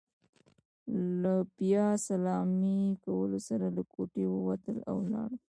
له بیا سلامۍ کولو سره له کوټې ووتل، او لاړل.